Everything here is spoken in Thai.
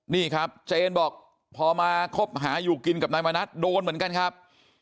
นี่ครับเจนบอกพอมาคบหาอยู่กินกับนายมณัฐโดนเหมือนกันครับ